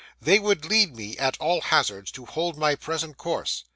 They would lead me, at all hazards, to hold my present course.